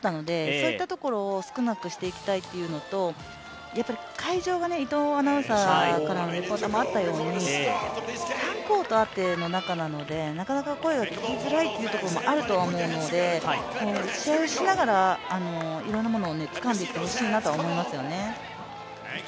そういったところを少なくしていきたいというのと会場が伊藤アナウンサーからのレポートにもあったように、３コートあっての中なのでなかなか声が聞きづらいというところはあると思うので試合をしながら、いろんなものをつかんでいってほしいなと思いますよね。